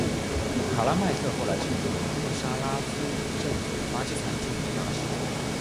卡拉麦特后来成为穆沙拉夫政府的巴基斯坦驻美大使。